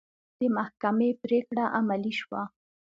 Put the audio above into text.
د محکمې پرېکړه عملي شوه.